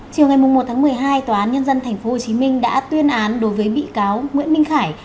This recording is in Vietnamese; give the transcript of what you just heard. chiều ngày một một mươi hai tòa án nhân dân tp hcm đã tuyên án đối với bị cáo nguyễn minh khải